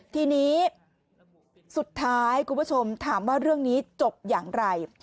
ทีนี้สุดท้ายคุณผู้ชมถามว่าเรื่องนี้จบอย่างไร